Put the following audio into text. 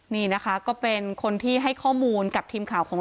นี่นะคะก็เป็นคนที่ให้ข้อมูลกับทีมข่าวของเรา